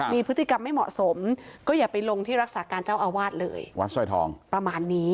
มีพฤติกรรมไม่เหมาะสมก็อย่าไปลงที่รักษาการเจ้าอาวาสเลยวัดสร้อยทองประมาณนี้